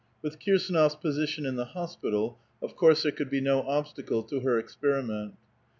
With Kirs4nof*s position in the hospital, of course there could be no obstacle to her experiment.